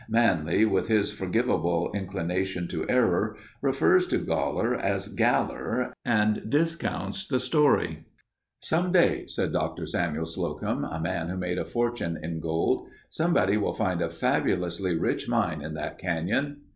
Manly, with his forgivable inclination to error refers to Goller as Galler and discounts the story. "Some day," said Dr. Samuel Slocum, a man who made a fortune in gold, "somebody will find a fabulously rich mine in that canyon."